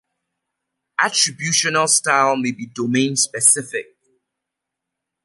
Attributional style may be domain-specific.